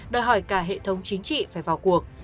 đòi hỏi cả hệ thống chính trị phải vào cuộc